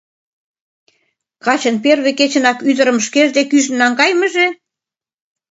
Качын первый кечынак ӱдырым шкеж дек ӱжын наҥгайымыже?